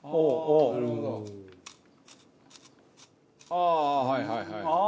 ああーはいはいはい。